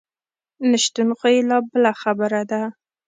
نشتون خو یې لا بله خبره ده.